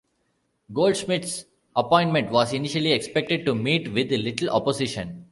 Goldschmidt's appointment was initially expected to meet with little opposition.